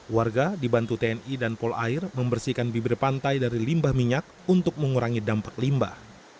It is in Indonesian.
warga dibantu tni dan polair membersihkan bibir pantai dari limbah minyak untuk mengurangi dampak limbah